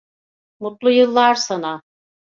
Mutlu yıllar sana.